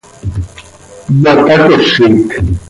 ¿Ma tacozit?